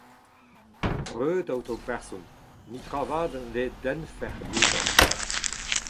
Reut ! aotrou person, netra a vat ne dennfet dioutañ.